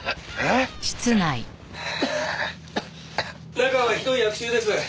中はひどい悪臭です。